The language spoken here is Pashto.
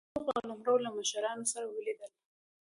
د چوشو قلمرو له مشرانو سره ولیدل.